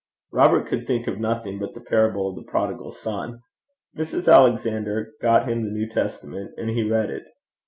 Robert could think of nothing but the parable of the prodigal son. Mrs. Alexander got him the New Testament, and he read it.